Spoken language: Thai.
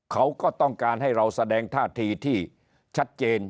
เขาก็ต้องการให้เราแสดงท่าทีที่ชัดเจน